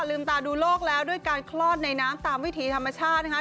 ลืมตาดูโลกแล้วด้วยการคลอดในน้ำตามวิถีธรรมชาตินะคะ